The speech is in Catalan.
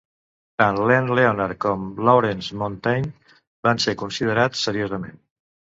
Tant Len Lenard com Lawrence Montaigne van ser considerats seriosament.